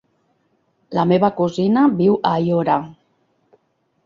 La meva cosina viu a Aiora.